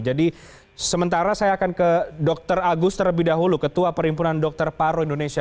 jadi sementara saya akan ke dr agus terlebih dahulu ketua perimpunan dokter paru indonesia